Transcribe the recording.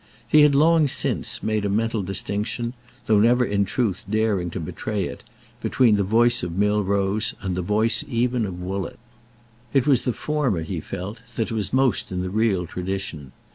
He had long since made a mental distinction—though never in truth daring to betray it—between the voice of Milrose and the voice even of Woollett. It was the former he felt, that was most in the real tradition.